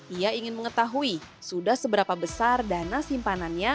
ia ingin mengetahui sudah seberapa besar dana simpanannya